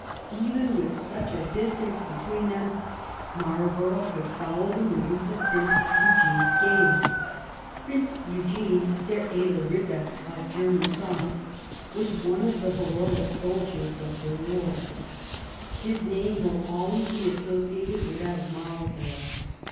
Even with such a distance between them, Marlborough could follow the move ments of Prince Eugene's game. Prince Eugene, " der edel Bitter *' of German song, was one of the heroic soldiers of the war. His name 105 THE REIGN OF QUEEN ANNE will always be associated with that of Marlborough.